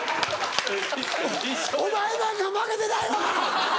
お前なんか負けてないわ！